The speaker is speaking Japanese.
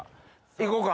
行こうか？